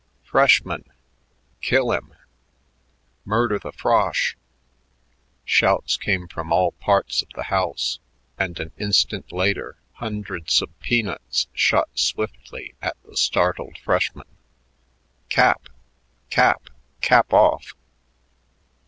"Freshman!"... "Kill him!"... "Murder the frosh!" Shouts came from all parts of the house, and an instant later hundreds of peanuts shot swiftly at the startled freshman. "Cap! Cap! Cap off!"